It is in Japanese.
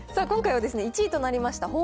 今回は１位となりました